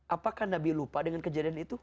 apakah nabi lupa dengan kejadian itu